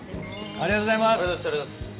ありがとうございます。